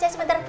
ya sebentar bu